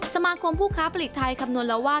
สมาคมผู้ค้าปลีกไทยคำนวณแล้วว่า